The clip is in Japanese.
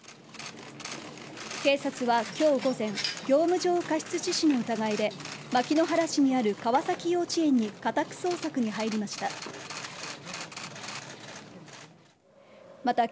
警察はきょう午前、業務上過失致死の疑いで、牧之原市にある川崎幼稚園に家宅捜索に入りました。